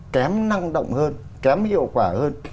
kém năng động hơn kém hiệu quả hơn